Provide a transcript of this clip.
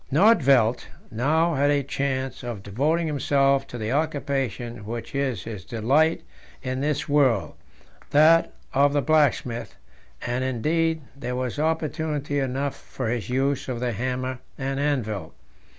Nödtvedt now had a chance of devoting himself to the occupation which is his delight in this world that of the blacksmith; and, indeed, there was opportunity enough for his use of the hammer and anvil.